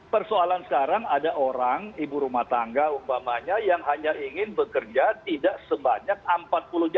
persoalan sekarang ada orang ibu rumah tangga umpamanya yang hanya ingin bekerja tidak sebanyak empat puluh jam